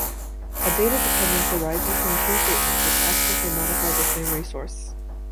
A data dependence arises from two statements which access or modify the same resource.